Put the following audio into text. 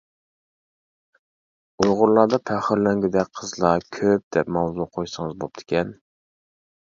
ئۇيغۇرلاردا پەخىرلەنگۈدەك قىزلار كۆپ دەپ ماۋزۇ قويسىڭىز بوپتىكەن.